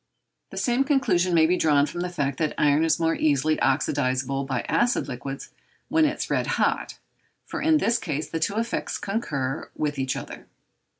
The same conclusion may be drawn from the fact that iron is more easily oxydizable by acid liquids when it is red hot, for in this case the two effects concur with each other.